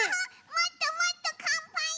もっともっとかんぱいしたい！